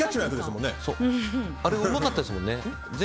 あれうまかったですもんね。